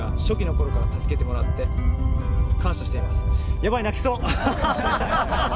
やばい、泣きそう。